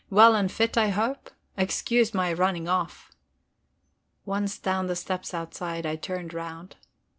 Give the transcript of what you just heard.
Well and fit, I hope? Excuse my running off..." Once down the steps outside, I turned round.